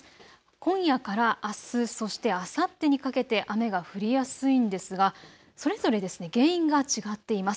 今夜からあす、そしてあさってにかけて雨が降りやすいんですがそれぞれ原因が違っています。